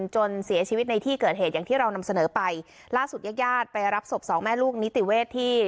จนเสียชีวิตในที่เกิดเหตุอย่างที่เรานำเสนอไปล่าสุดญาติญาติไปรับศพสองแม่ลูกนิติเวศที่